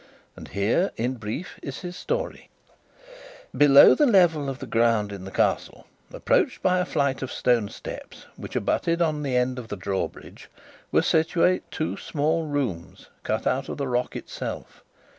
And here, in brief, is his story: Below the level of the ground in the Castle, approached by a flight of stone steps which abutted on the end of the drawbridge, were situated two small rooms, cut out of the rock itself.